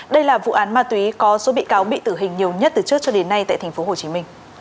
đây là vụ án ma túy có số bị cáo bị tử hình nhiều nhất từ trước cho đến nay tại tp hcm